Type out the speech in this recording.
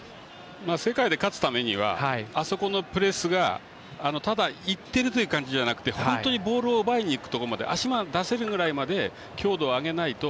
世界で勝つためにはあそこのプレスがただいってる感じじゃなく本当にボールを奪いにいくところまで足を上げるところまでいかないと。